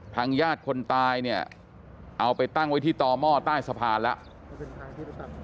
ทางญาติคนตายเนี่ยเอาไปตั้งไว้ที่ต่อหม้อใต้สะพานแล้ว